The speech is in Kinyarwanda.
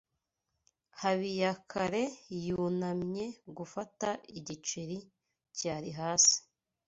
Habiyakare yunamye gufata igiceri cyari hasi.